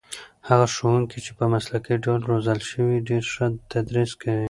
هغه ښوونکي چې په مسلکي ډول روزل شوي ډېر ښه تدریس کوي.